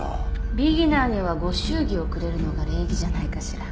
ビギナーにはご祝儀をくれるのが礼儀じゃないかしら？